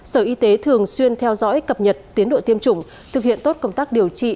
sở y tế thường xuyên theo dõi cập nhật tiến độ tiêm chủng thực hiện tốt công tác điều trị